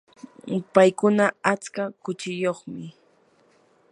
paykuna atska kuchiyuqmi.